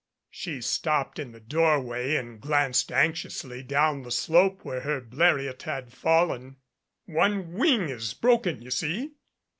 She stopped in the doorway and glanced anxiously down the slope where her Bleriot had fallen. "One wing is broken, you see."